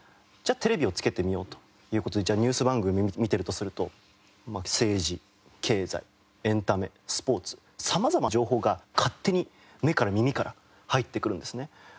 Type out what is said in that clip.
じゃあテレビをつけてみようという事でじゃあニュース番組を見ているとすると政治経済エンタメスポーツ様々な情報が勝手に目から耳から入ってくるんですね。